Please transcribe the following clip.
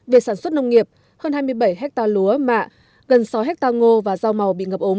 về sản xuất nông nghiệp hơn hai mươi bảy hectare lúa mạ gần sáu hectare ngô và rau màu bị ngập ống